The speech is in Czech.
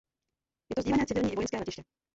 Je to sdílené civilní i vojenské letiště.